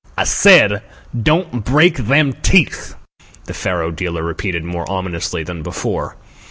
"I said don't break them teeth," the faro dealer repeated more ominously than before.